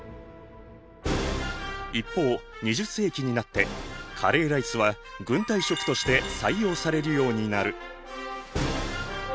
一方２０世紀になってカレーライスは軍隊食として採用されるようになる。